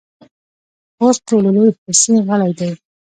پوست ټولو لوی حسي غړی دی.